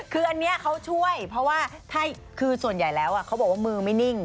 คืออันนี้เขาช่วยเพราะว่าถ้าคือส่วนใหญ่แล้วเขาบอกว่ามือไม่นิ่ง